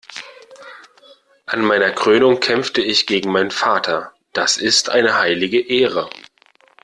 An meiner Krönung kämpfte ich gegen meinen Vater. Das ist eine heilige Ehre.